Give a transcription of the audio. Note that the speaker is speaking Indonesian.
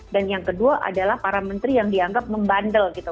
dan yang kedua adalah para menteri yang dianggap membandel gitu